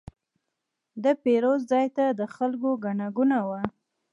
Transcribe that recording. د پیرود ځای ته د خلکو ګڼه ګوڼه وه.